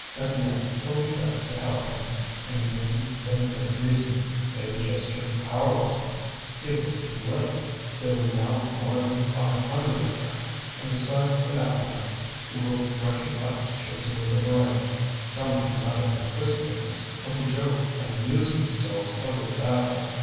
Étienne, whom he begged to help him in making them hear reason, made a gesture of powerlessness. It was too late, there were now more than five hundred of them. And besides the madmen who were rushing up to chase away the Borains, some came out of inquisitiveness, or to joke and amuse themselves over the battle.